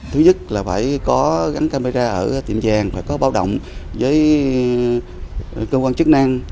thứ nhất là phải có gắn camera ở tiệm vàng phải có báo động với cơ quan chức năng